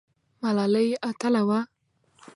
ملالۍ اتله وه؟